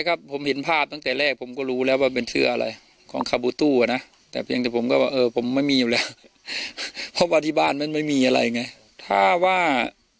สบายใจครับผมเห็นภาพตั้งแต่แรกผมก็รู้แล้วว่าเป็นเสื้ออะไรของคาบูตุว่ะนะแต่เพียงแต่ผมก็เออผมไม่มีและพอพอที่บายมันไม่มีอะไรไงถ้าว่า